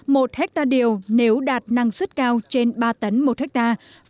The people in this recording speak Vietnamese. một hectare điều nếu đạt năng suất cao trên ba tấn một hectare